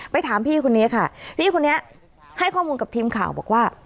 ถามพี่คนนี้ค่ะพี่คนนี้ให้ข้อมูลกับทีมข่าวบอกว่า